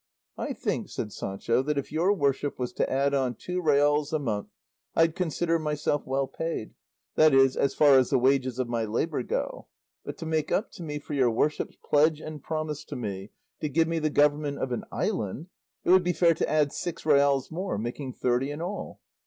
"I think," said Sancho, "that if your worship was to add on two reals a month I'd consider myself well paid; that is, as far as the wages of my labour go; but to make up to me for your worship's pledge and promise to me to give me the government of an island, it would be fair to add six reals more, making thirty in all."